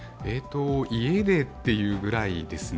家でというぐらいですね。